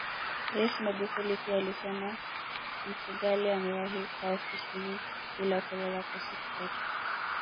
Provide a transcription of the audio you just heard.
Rais Magufuli pia alisema Mfugale amewahi kukaa ofisini bila kulala kwa siku tatu